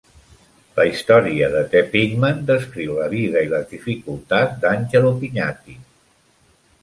La història de The Pigman descriu la vida i les dificultats d'Angelo Pignati.